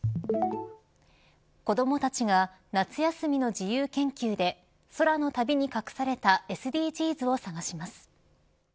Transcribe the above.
子どもたちが夏休みの自由研究で空の旅に隠されたＳＤＧｓを探します。